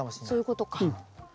そういうことか。